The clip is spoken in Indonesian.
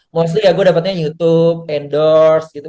mostly ya gue dapatnya youtube endorse gitu